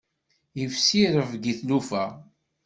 Ifsi rrebg i tlufa.